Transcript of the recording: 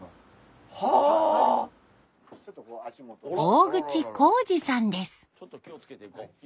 大口孝次さんです。